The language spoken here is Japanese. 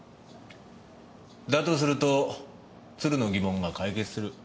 だとすると鶴の疑問が解決する。